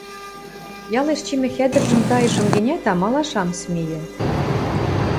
Ялеш чимӹ хӓдӹржӹм тайышым гӹнят, амалаш ам смейӹ.